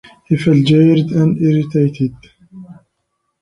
He felt jarred and irritated.